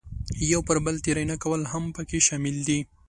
یو پر بل تېری نه کول هم پکې شامل دي.